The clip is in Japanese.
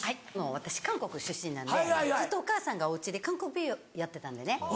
私韓国出身なんでずっとお母さんがおうちで韓国美容やってたんでね。